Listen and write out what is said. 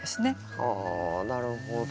はあなるほど。